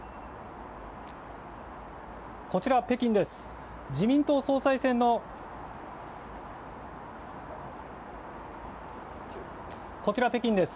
こちら北京です。